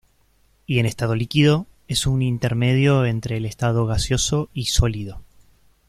Y en estado líquido, es un intermedio entre el estado gaseoso y sólido.